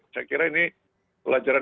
saya kira ini pelajaran